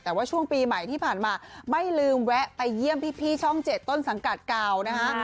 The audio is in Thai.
แต่ว่าช่วงปีใหม่ที่ผ่านมาไม่ลืมแวะไปเยี่ยมพี่ช่อง๗ต้นสังกัดเก่านะคะ